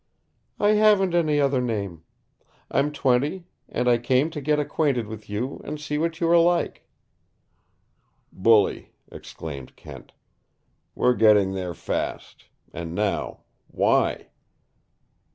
"I haven't any other name, I'm twenty, and I came to get acquainted with you and see what you are like." "Bully!" exclaimed Kent. "We're getting there fast! And now, why?"